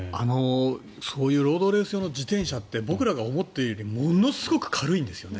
そういうロードレース用の自転車って僕らが思ってるよりものすごく軽いんですよね。